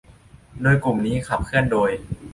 โดยกลุ่มนี้ขับเคลื่อนโดย